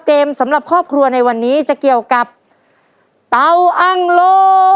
สำหรับครอบครัวในวันนี้จะเกี่ยวกับเตาอังโล